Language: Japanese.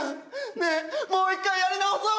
ねえもう一回やり直そう！